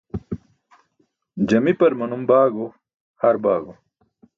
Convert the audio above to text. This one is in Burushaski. Jamipar manum baago har baago.